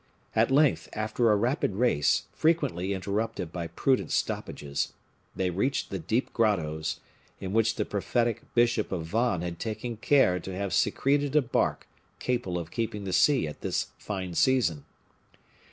At length, after a rapid race, frequently interrupted by prudent stoppages, they reached the deep grottoes, in which the prophetic bishop of Vannes had taken care to have secreted a bark capable of keeping the sea at this fine season.